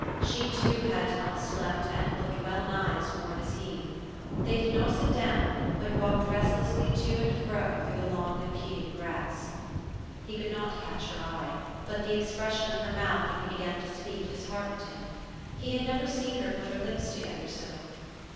She, too, had not slept, and looked well nigh as worn as he. They did not sit down, but walked restlessly to and fro through the long, impeding grass. He could not catch her eye ; but the expression of 'her mouth when he began to speak disheartened him. He had never seen her put her lips together so.